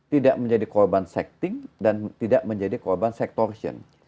tidak menjadi korban sexting dan tidak menjadi korban sektorion